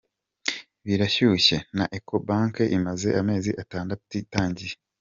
Birashyushye na Ecobank imaze amezi atandatu itangiye.